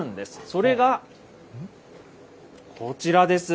それがこちらです。